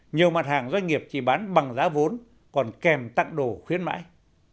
nhiều mặt hàng doanh nghiệp chỉ bán bằng giá vốn còn kèm tặng đồ khuyến mãi